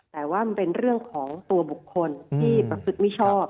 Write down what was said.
แต่ว่ามันเป็นเรื่องของตัวบุคคลที่ประพฤติมิชอบ